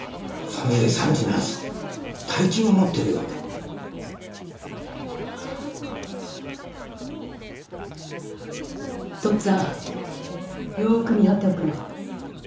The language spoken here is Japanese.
それで三次の奴大金を持ってるようで。とっつぁんよく見張っておくれ。